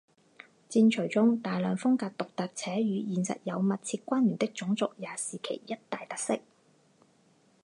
战锤中大量风格独特且与现实有密切关联的种族也是其一大特色。